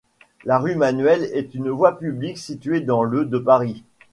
La rue Manuel est une voie publique située dans le de Paris.